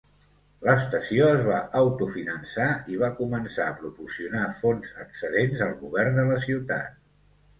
L'estació es va autofinançar i va començar a proporcionar fons excedents al govern de la ciutat.